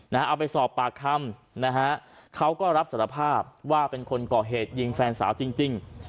เอาไปสอบปากคำนะฮะเขาก็รับสารภาพว่าเป็นคนก่อเหตุยิงแฟนสาวจริงจริง